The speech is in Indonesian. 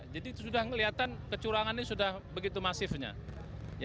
jadi sudah kelihatan kecurangan ini sudah begitu masifnya